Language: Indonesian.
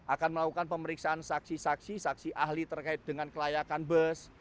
akan melakukan pemeriksaan saksi saksi saksi ahli terkait dengan kelayakan bus